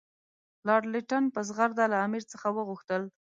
لارډ لیټن په زغرده له امیر څخه وغوښتل.